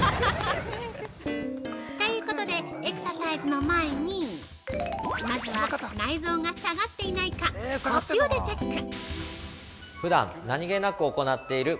◆ということでエクササイズの前にまずは内臓が下がっていないか呼吸でチェック！